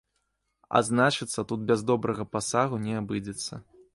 А значыцца, тут без добрага пасагу не абыдзецца.